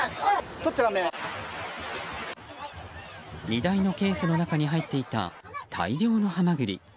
荷台のケースの中に入っていた大量のハマグリ。